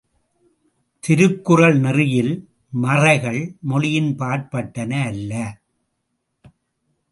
திருக்குறள் நெறியில் மறைகள் மொழியின் பாற் பட்டன அல்ல.